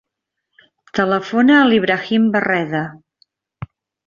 Telefona a l'Ibrahim Barreda.